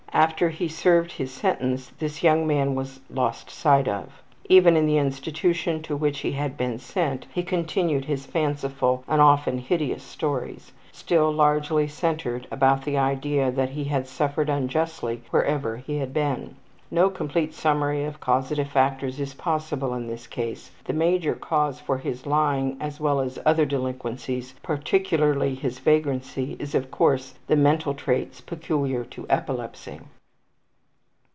After he served his sentence this young man was lost sight of. Even in the institution to which he had been sent he continued his fanciful and often hideous stories, still largely centered about the idea that he had suffered unjustly wherever he had been. No complete summary of causative factors is possible in this case. The major cause for his lying as well as other delinquencies, particularly his vagrancy, is, of course, the mental traits peculiar to epilepsy.